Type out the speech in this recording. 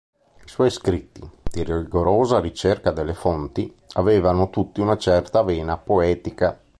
I suoi scritti, di rigorosa ricerca delle fonti, avevano tutti una certa vena poetica.